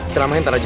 teramahin tante aja